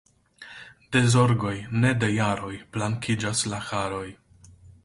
De zorgoj, ne de jaroj, blankiĝas la haroj.